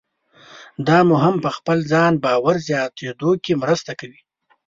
دا مو هم په خپل ځان باور زیاتېدو کې مرسته کوي.